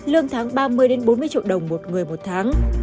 lương tháng ba mươi bốn mươi triệu đồng một người một tháng